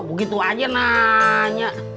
begitu aja nanya